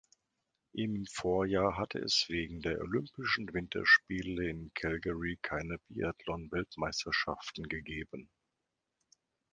Im Vorjahr hatte es wegen der Olympischen Winterspiele in Calgary keine Biathlon-Weltmeisterschaften gegeben.